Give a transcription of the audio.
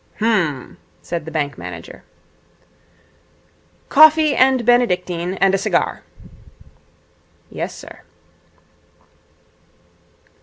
'H'm,' said the bank manager. 'Coffee and Benedictine, and a cigar.' 'Yes, sir.'